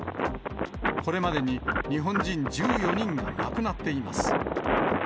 これまでに日本人１４人が亡くなっています。